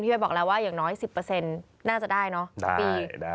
ไปบอกแล้วว่าอย่างน้อย๑๐น่าจะได้เนอะ